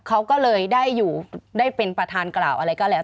เขาก็เลยได้อยู่ได้เป็นประธานกล่าวอะไรก็แล้ว